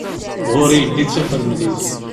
Ɣur-i yelli d tafremlit.